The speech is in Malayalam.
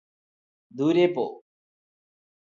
ദൂരെ പോ